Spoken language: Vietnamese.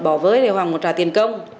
bỏ với hoàng trả tiền công